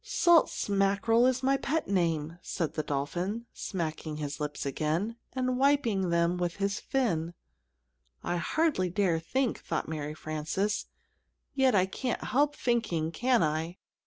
"Salt Smackerel is my pet name," said the dolphin, smacking his lips again, and wiping them with his fin. "I hardly dare think," thought Mary Frances, "yet I can't help thinking, can I?